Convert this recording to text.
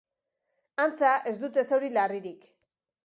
Antza ez dute zauri larririk.